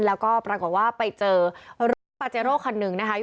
แล้วก็ปรากฏว่าไปเจอรถปาเจโร่คันหนึ่งนะคะ